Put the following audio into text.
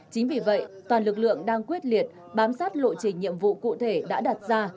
chính vì vậy toàn lực lượng đang quyết liệt bám sát lộ trình nhiệm vụ cụ thể đã đặt ra